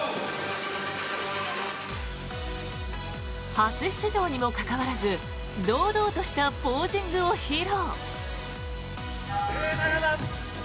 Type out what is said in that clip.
初出場にもかかわらず堂々としたポージングを披露。